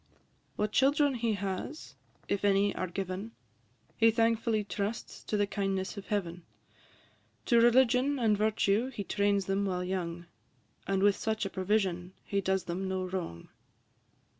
What children he has, if any are given, He thankfully trusts to the kindness of Heaven; To religion and virtue he trains them while young, And with such a provision he does them no wrong.